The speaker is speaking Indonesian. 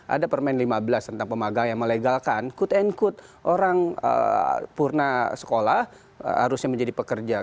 ada permain lima belas tentang pemagang yang melegalkan kut en kut orang purna sekolah harusnya menjadi pekerja